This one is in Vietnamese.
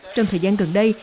trong thời gian gần đây